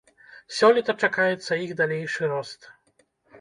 Сёлета чакаецца іх далейшы рост.